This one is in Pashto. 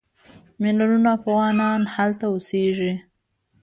میلیونونه افغانان هلته اوسېږي.